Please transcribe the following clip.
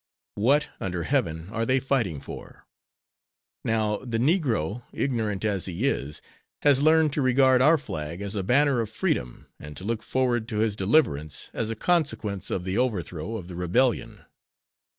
What, under heaven, are they fighting for? Now, the negro, ignorant as he is, has learned to regard our flag as a banner of freedom, and to look forward to his deliverance as a consequence of the overthrow of the Rebellion."